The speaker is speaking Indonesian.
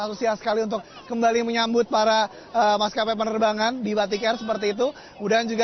antusias sekali untuk kembali menyambut para maskapai penerbangan di batik air seperti itu dan juga